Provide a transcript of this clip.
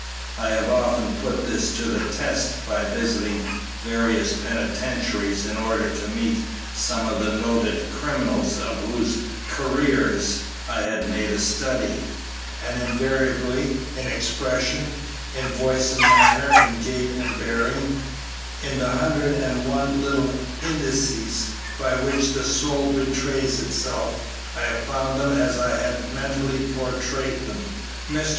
I have often put this to the test by visiting various penitentiaries in order to meet some of the noted criminals of whose careers I had made a study, and invariably, in expression, in voice and manner, in gait and bearing, in the hundred and one little indices by which the soul betrays itself, I have found them as I had mentally portrayed them." Mr.